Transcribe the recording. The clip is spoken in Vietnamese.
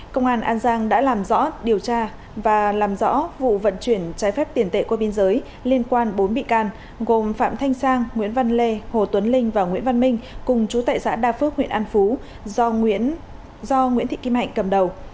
công an an giang đã làm rõ điều tra và làm rõ vụ vận chuyển trái phép tiền tệ qua biên giới liên quan bốn bị can gồm phạm thanh sang nguyễn văn lê hồ tuấn linh và nguyễn văn minh cùng chú tại xã đa phước huyện an phú do nguyễn thị kim hạnh cầm đầu